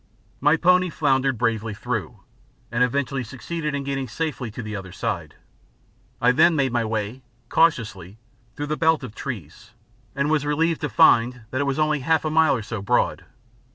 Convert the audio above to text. My pony floundered bravely through, and eventually succeeded in getting safely to the other side. I then made my way cautiously through the belt of trees, and was relieved to find that it was only half a mile or so broad.